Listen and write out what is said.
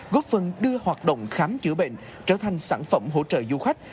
góp phần đưa hoạt động khám chữa bệnh trở thành sản phẩm hỗ trợ du khách